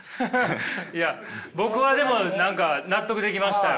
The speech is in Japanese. いや僕はでも何か納得できましたよ。